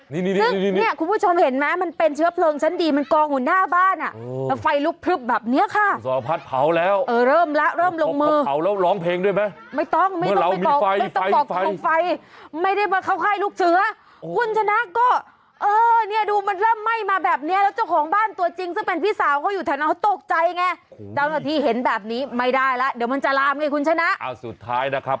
นี่คุณผู้ชมเห็นมะมันเป็นเชื้อเพลิงชั้นดีมันกองดูหน้าบ้านอ่ะ